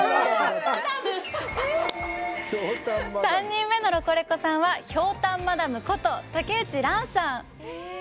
３人目のロコレコさんは、ひょうたんマダムこと竹内蘭さん。